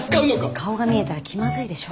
顔が見えたら気まずいでしょ。